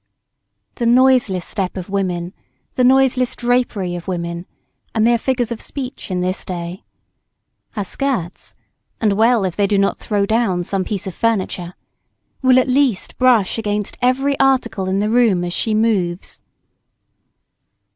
The noiseless step of woman, the noiseless drapery of woman, are mere figures of speech in this day. Her skirts (and well if they do not throw down some piece of furniture) will at least brush against every article in the room as she moves.